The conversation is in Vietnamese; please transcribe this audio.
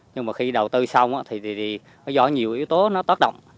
nhưng mà khi đầu tư xong thì nó do nhiều yếu tố nó tác động